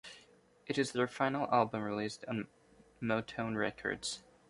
It is their final album released on Motown Records.